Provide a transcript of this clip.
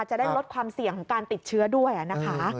จะได้ลดความเสี่ยงของการติดเชื้อด้วยนะคะ